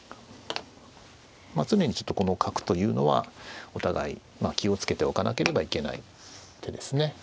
常にちょっとこの角というのはお互い気を付けておかなければいけない手ですね。